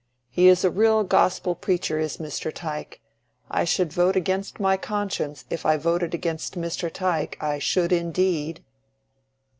"He is a real Gospel preacher, is Mr. Tyke. I should vote against my conscience if I voted against Mr. Tyke—I should indeed."